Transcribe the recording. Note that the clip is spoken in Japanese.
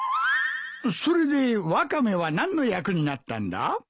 それでワカメは何の役になったんだ？